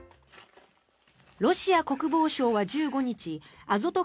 ロシア国防省は１５日アゾト